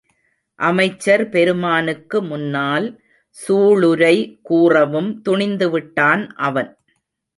அமைச்சர் பெருமானுக்கு முன்னால் சூளுரை கூறவும் துணிந்துவிட்டான் அவன்.